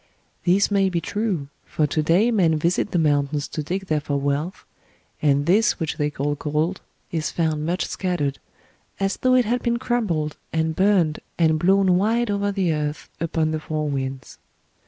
This may be true, for to day men visit the mountains to dig there for wealth, and this which they call gold is found much scattered, as though it had been crumbled and burned and blown wide over the earth upon the four winds.